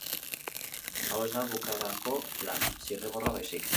Hau ez da bukaerako lana, zirriborroa, baizik.